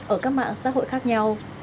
ở các mạng xã hội khác nhau